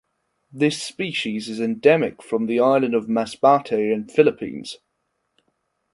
This species is endemic from the island of Masbate in Philippines.